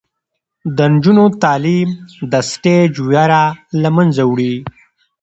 د نجونو تعلیم د سټیج ویره له منځه وړي.